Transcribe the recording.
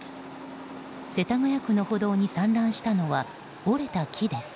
世田谷区の歩道に散乱したのは折れた木です。